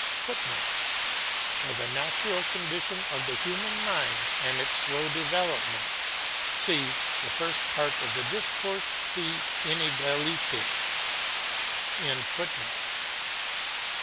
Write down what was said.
[Footnote: For the natural condition of the human mind and its slow development, cf. the first part of the Discours sur Inegalite.